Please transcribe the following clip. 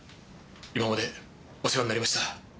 今までお世話になりました。